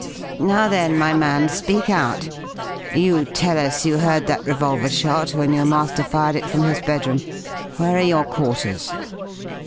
"Now then, my man, speak out. You tell us you heard that revolver shot when your master fired it from his bedroom. Where are your quarters?"